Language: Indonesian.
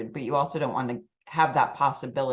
beberapa orang menyentuh dansa buku